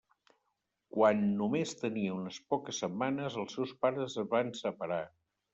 Quan només tenia unes poques setmanes, els seus pares es van separar.